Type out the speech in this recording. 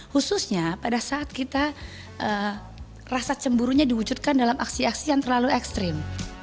khususnya pada saat kita rasa cemburunya diwujudkan dalam aksi aksi yang terlalu ekstrim